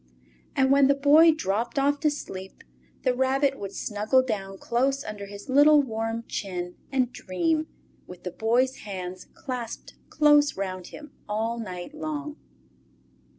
And when the Boy dropped off to sleep, the Rabbit would snuggle down close under his little warm chin and dream, with the Boy's hands clasped close round him all night long.